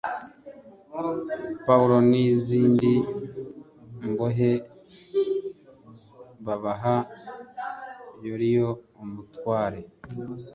Pawulo n izindi mbohe babaha Yuliyo umutware